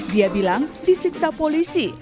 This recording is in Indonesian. dia bilang disiksa polisi